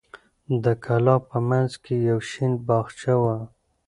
د کلا په منځ کې یو شین باغچه وه.